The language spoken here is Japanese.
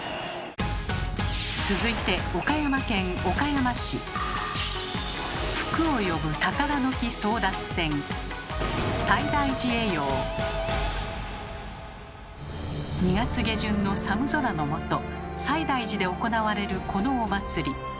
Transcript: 続いて２月下旬の寒空の下西大寺で行われるこのお祭り。